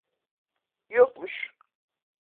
Yokmuş.